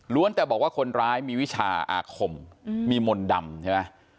แต่บอกว่าคนร้ายมีวิชาอาคมมีมนต์ดำใช่ไหม